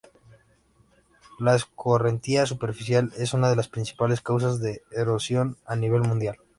La escorrentía superficial es una de las principales causas de erosión a nivel mundial.